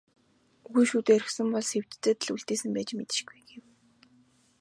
"Үгүй шүү дээ, орхисон бол Сэвжидэд л үлдээсэн байж мэдэшгүй" гэв.